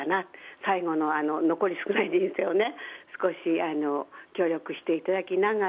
最後の残り少ない人生をね、少し協力していただきながら。